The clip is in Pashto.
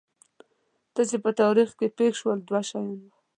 څه چې په تاریخ کې پېښ شول دوه شیان وو.